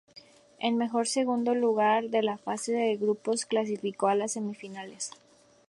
El mejor segundo lugar de la fase de grupos clasificó a las semi-finales.